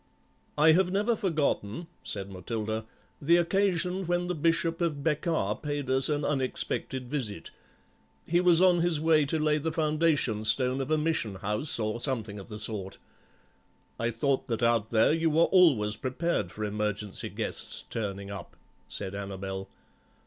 "I have never forgotten," said Matilda, "the occasion when the Bishop of Bequar paid us an unexpected visit; he was on his way to lay the foundation stone of a mission house or something of the sort." "I thought that out there you were always prepared for emergency guests turning up," said Annabel.